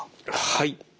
はい。